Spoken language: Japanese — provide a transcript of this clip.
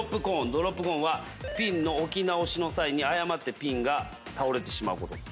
ドロップコーンはピンの置き直しの際に誤ってピンが倒れてしまうこと。